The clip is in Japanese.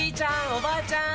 おばあちゃん